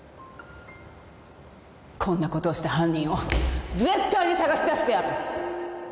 こんなことをした犯人を絶対に捜し出してやる